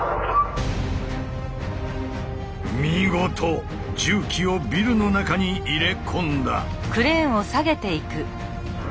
見事重機をビルの中に入れ込んだ！